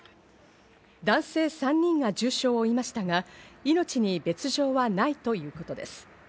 男性３人が重傷を負いましたが、命に別条はないということです。